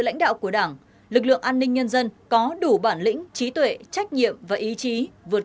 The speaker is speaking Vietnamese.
lãnh đạo của đảng lực lượng an ninh nhân dân có đủ bản lĩnh trí tuệ trách nhiệm và ý chí vượt